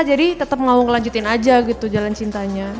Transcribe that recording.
jadi tetep mau kelanjutin aja gitu jalan cintanya